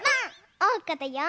おうかだよ。